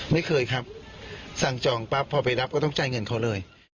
ไม่เคยครับสั่งจองปั๊บพอไปรับก็ต้องจ่ายเงินเขาเลย